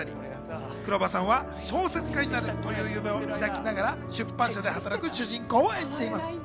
黒羽さんは小説家になるという夢を抱きながら、出版社で働く主人公を演じています。